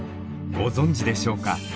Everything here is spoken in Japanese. ご存じでしょうか。